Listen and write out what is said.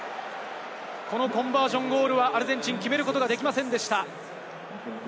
このコンバージョンゴールは決めることができませんでした。